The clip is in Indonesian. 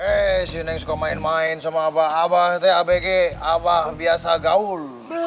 hei si neng suka main main sama abah abah itu ya abg abah biasa gaul